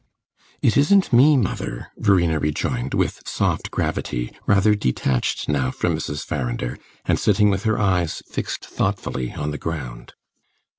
"It isn't me, mother," Verena rejoined, with soft gravity, rather detached now from Mrs. Farrinder, and sitting with her eyes fixed thoughtfully on the ground.